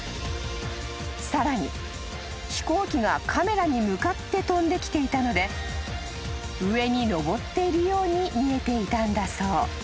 ［さらに飛行機がカメラに向かって飛んできていたので上に上っているように見えていたんだそう］